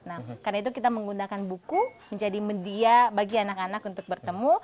nah karena itu kita menggunakan buku menjadi media bagi anak anak untuk bertemu